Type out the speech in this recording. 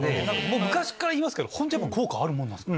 昔からいいますけど本当に効果あるもんなんですか？